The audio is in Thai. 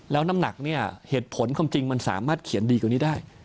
แล้วน้ำหนักเนี่ยเหตุผลความจริงมันสามารถเขียนดีกว่านี้ได้